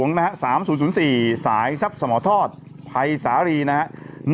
นะฮะสามศูนย์ศูนย์สี่สายทรัพย์สมทรศภัยสารีนะฮะ